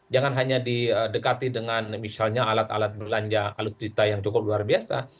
jangan hanya didekati dengan misalnya alat alat belanja alutsista yang cukup luar biasa